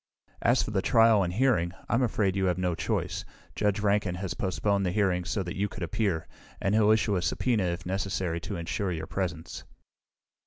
"As for the trial and hearing, I'm afraid you have no choice. Judge Rankin has postponed the hearing so that you could appear, and he'll issue a subpoena if necessary to insure your presence."